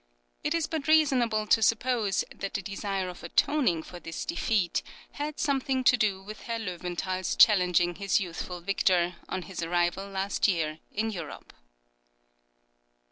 It is but reasonable to suppose that the desire of atoning for this defeat had something to do with Herr Löwenthal's challenging his youthful victor, on his arrival last year in Europe.